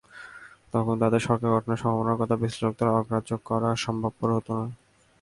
তখন তাদের সরকার গঠনের সম্ভাবনার কথা বিশ্লেষকদের অগ্রাহ্য করা সম্ভবপর হতো না।